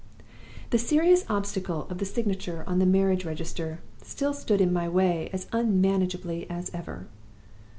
"The serious obstacle of the signature on the marriage register still stood in my way as unmanageably as ever.